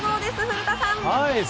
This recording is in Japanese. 古田さん。